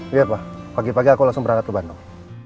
iya pak pagi pagi aku langsung berangkat ke bandung